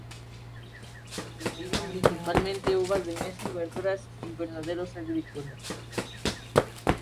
Se cultivan principalmente uvas de mesa y verduras en invernaderos agrícolas.